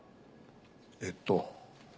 えっと